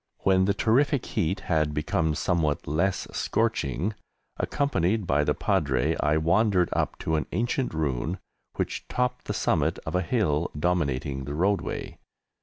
When the terrific heat had become somewhat less scorching, accompanied by the Padre, I wandered up to an ancient ruin which topped the summit of a hill dominating the roadway.